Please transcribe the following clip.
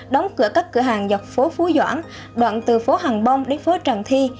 đóng cửa các cửa hàng dọc phố phú doãn đoạn từ phố hàng bông đến phố tràng thi